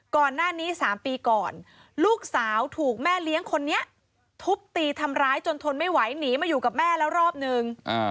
ก่อนหน้านี้๓ปีก่อนลูกสาวถูกแม่เลี้ยงคนนี้ทุบตีทำร้ายจนทนไม่ไหวหนีมาอยู่กับแม่แล้วรอบนึง